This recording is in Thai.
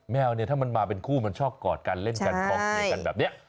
แมวเนี่ยถ้ามันมาเป็นคู่มันชอบกอดกันเล่นกันกองเชียร์กันแบบนี้